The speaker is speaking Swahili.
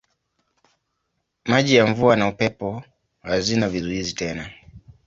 Maji ya mvua na upepo hazina vizuizi tena.